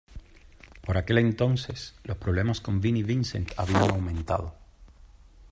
Por aquel entonces, los problemas con Vinnie Vincent habían aumentado.